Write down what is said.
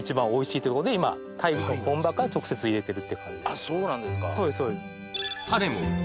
あっそうなんですか。